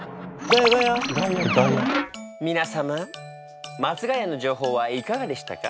皆様松が谷の情報はいかがでしたか？